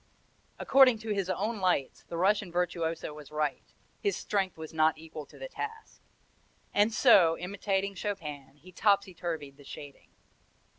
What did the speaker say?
According to his own lights the Russian virtuoso was right: his strength was not equal to the task, and so, imitating Chopin, he topsy turvied the shading.